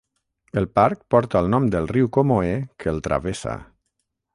El parc porta el nom del riu Comoé que el travessa.